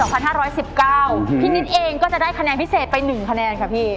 พี่นิดเองก็จะได้คะแนนพิเศษไป๑คะแนนค่ะพี่